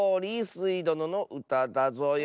スイどののうただぞよ。